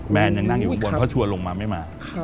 แหมนยังนั่งอยู่บนเขาชัวร์ลงมาไม่มา